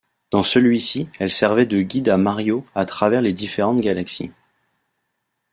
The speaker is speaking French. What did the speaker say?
Dans celui-ci, elle servait de guide à Mario à travers les différentes galaxies.